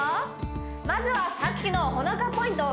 まずはさっきのほのかポイント！